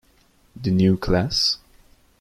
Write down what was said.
The New Class?